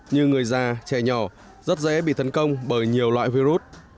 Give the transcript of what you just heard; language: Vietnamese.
như người già trẻ nhỏ rất dễ bị tấn công bởi nhiều loại virus